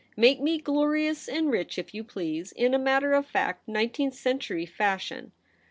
Make me glorious and rich if you please, in a matter of fact nineteenth century fashion.